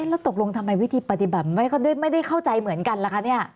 แล้วตกลงทำไมวิธีปฏิบัติไม่ได้เข้าใจเหมือนกันล่ะคะเนี่ย